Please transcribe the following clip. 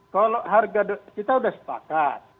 kalau harga kita sudah sepakat